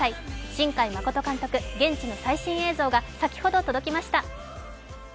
新海誠監督、現地の最新映像が先ほど届きました。